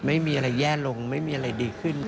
ไม่มีอะไรแย่ลงไม่มีอะไรดีขึ้น